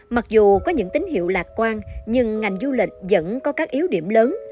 mặc dù có những tín hiệu lạc quan nhưng ngành du lịch vẫn có các yếu điểm lớn